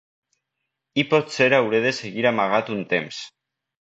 I potser hauré de seguir amagat un temps.